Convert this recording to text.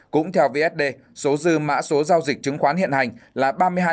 cũng theo vsd số dư mã số giao dịch chứng khoán hiện hành là ba mươi hai